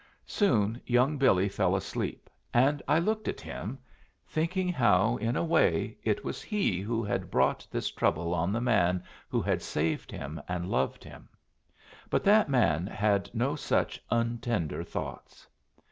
Soon young Billy fell asleep, and I looked at him, thinking how in a way it was he who had brought this trouble on the man who had saved him and loved him. But that man had no such untender thoughts.